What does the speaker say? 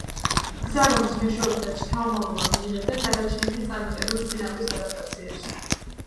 გზა, რომლის მეშვეობითაც შთამომავლობა მიიღებდა გადარჩენილი, წარმატებული წინაპრების ადაპტაციებს.